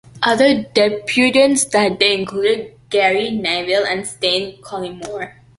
Other debutants that day included Gary Neville and Stan Collymore.